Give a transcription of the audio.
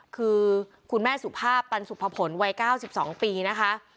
คือคุณแม่สุภาพปันสุภพลวัย๙๒ปีนะคะ